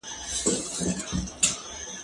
زه به د کتابتون لپاره کار کړي وي؟!